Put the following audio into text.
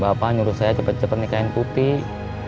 bapak nyuruh saya cepet cepet nikahin putih